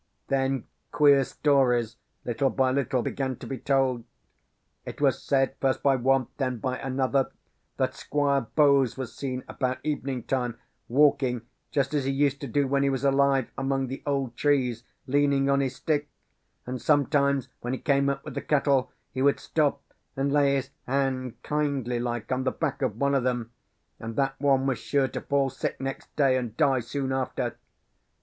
Then, queer stories, little by little, began to be told. It was said, first by one, then by another, that Squire Bowes was seen, about evening time, walking, just as he used to do when he was alive, among the old trees, leaning on his stick; and, sometimes when he came up with the cattle, he would stop and lay his hand kindly like on the back of one of them; and that one was sure to fall sick next day, and die soon after.